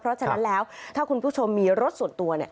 เพราะฉะนั้นแล้วถ้าคุณผู้ชมมีรถส่วนตัวเนี่ย